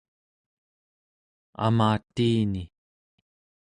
amatiini